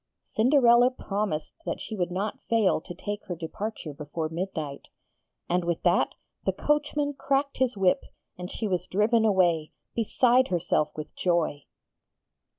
Cinderella promised that she would not fail to take her departure before midnight: and, with that, the coachman cracked his whip and she was driven away, beside herself with joy.